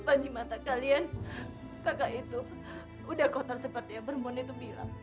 apa di mata kalian kakak itu udah kotor seperti yang perempuan itu bilang